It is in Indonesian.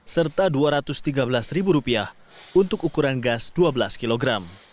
serta dua ratus tiga belas ribu rupiah untuk ukuran gas dua belas kilogram